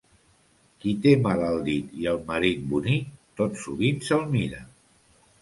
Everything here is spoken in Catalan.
Qui té mal al dit i el marit bonic, tot sovint se'l mira.